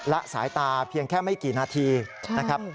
ละสายตาเพียงแค่ไม่กี่นาทีนะครับ